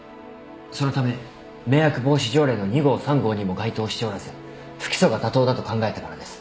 そのため迷惑防止条例の２号３号にも該当しておらず不起訴が妥当だと考えたからです。